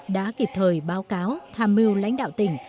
đã kịp thời báo cáo tham mưu lãnh đạo tỉnh